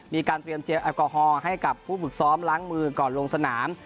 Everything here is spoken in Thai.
มีการเตรียมเจลแอลกอฮอล์ให้กับผู้ฝึกซ้อมล้างมือก่อนลงสนาม